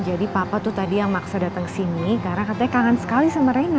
jadi papa tuh tadi yang maksa datang sini karena katanya kangen sekali sama reina